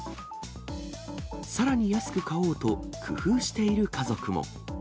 さらに、安く買おうと工夫している家族も。